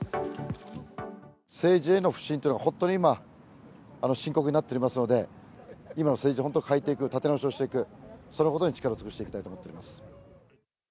政治への不信というのは、本当に今、深刻になっていますので、今の政治を本当に変えていく、立て直しをしていく、そのことに力を尽くしていきたいと思っています。